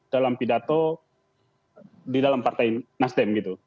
dalam pidato di dalam partai nasdem gitu